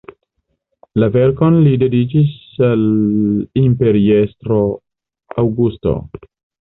La verkon li dediĉis al imperiestro Aŭgusto.